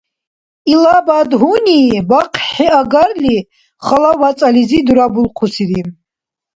Илабад гьуни бахъхӀиагарли Хала вацӀализи дурабулхъусири.